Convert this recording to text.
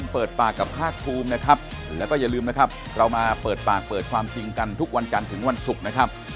เปิดปากเปิดความจริงกันทุกวันกันถึงวันศุกร์นะครับ